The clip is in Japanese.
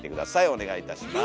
お願いいたします。